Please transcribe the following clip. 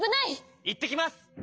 いってきます！